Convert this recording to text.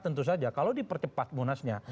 tentu saja kalau dipercepat munasnya